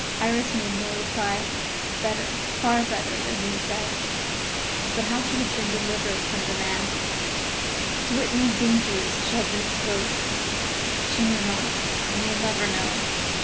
Iris made no reply. Better better far that he was dead. But how she had been delivered from the man, to what new dangers she had been exposed, she knew not, and will never know.